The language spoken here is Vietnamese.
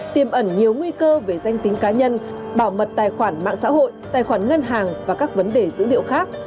tiêm ẩn nhiều nguy cơ về danh tính cá nhân bảo mật tài khoản mạng xã hội tài khoản ngân hàng và các vấn đề dữ liệu khác